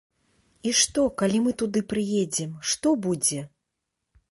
І што, калі мы туды прыедзем, што будзе?